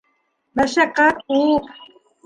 Мәшәҡәт күп.